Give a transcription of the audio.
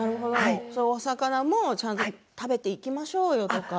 そういうお魚もちゃんと食べていきましょうよとか。